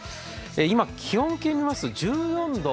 今、気温計を見ますと１４度。